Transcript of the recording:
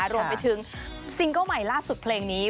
รวมไปถึงซิงเกิ้ลใหม่ล่าสุดเพลงนี้